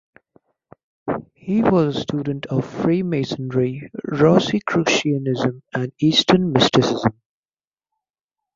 He was a student of Freemasonry, Rosicrucianism, and Eastern mysticism.